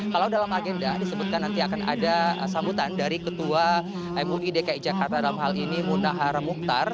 kalau dalam agenda disebutkan nanti akan ada sambutan dari ketua mui dki jakarta dalam hal ini munahar mukhtar